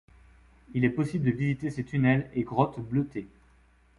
Il est possible de visiter ces tunnels et grottes bleutées.